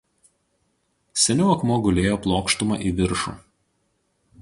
Seniau akmuo gulėjo plokštuma į viršų.